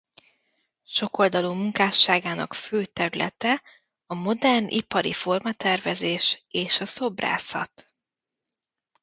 Sokoldalú munkásságának fő területe a modern ipari formatervezés és a szobrászat.